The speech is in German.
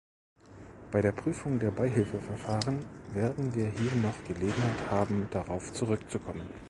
Bei der Prüfung der Beihilfeverfahren werden wir hier noch Gelegenheit haben, darauf zurückzukommen.